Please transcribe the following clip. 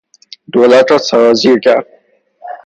دولت را سرازیر کرد